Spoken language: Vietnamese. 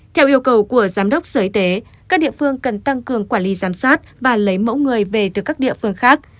theo yêu cầu của giám đốc sở y tế các địa phương cần tăng cường quản lý giám sát và lấy mẫu người về từ các địa phương khác